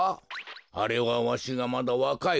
あれはわしがまだわかいころ